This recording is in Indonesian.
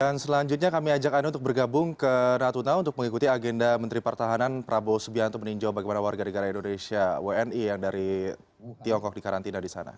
dan selanjutnya kami ajak anda untuk bergabung ke ratu tau untuk mengikuti agenda menteri pertahanan prabowo subianto meninjo bagaimana warga negara indonesia wni yang dari tiongkok dikarantina di sana